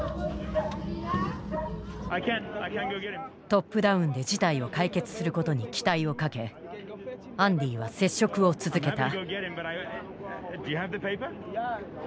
トップダウンで事態を解決することに期待をかけアンディは接触を続けた。